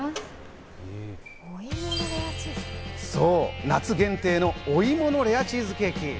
そう、夏限定のお芋のレアチーズケーキ。